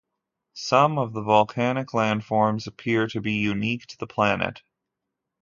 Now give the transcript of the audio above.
Some of the volcanic landforms appear to be unique to the planet.